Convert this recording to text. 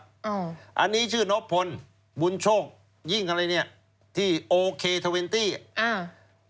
อันนี้ชื่อนบพลบุญโชคยิ่งอะไรเนี้ยที่โอเคเททเวนตี้อ่า